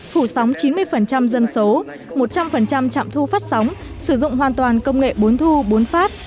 phủ sóng chín mươi dân số một trăm linh trạm thu phát sóng sử dụng hoàn toàn công nghệ bốn thu bốn phát